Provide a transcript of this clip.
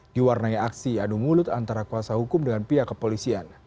diwarnai aksi adu mulut antara kuasa hukum dengan pihak kepolisian